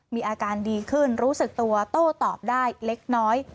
มีอาการดีขึ้นรู้สึกตัวโต้ตอบได้เล็กน้อย